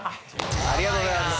ありがとうございます